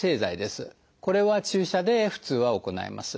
これは注射で普通は行います。